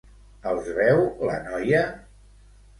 Els veu la noia?